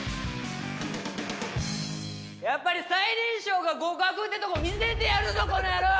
やっぱり最年少が極悪ってとこを見せてやるぞこの野郎！